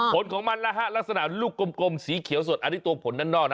ผลของมันนะฮะลักษณะลูกกลมสีเขียวสดอันนี้ตัวผลด้านนอกนะ